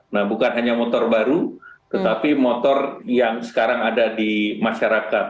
nah bukan hanya motor baru tetapi motor yang sekarang ada di masyarakat